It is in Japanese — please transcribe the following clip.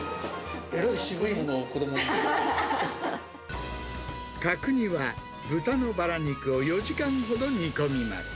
えらい渋いものを、子どもの角煮は、豚のバラ肉を４時間ほど煮込みます。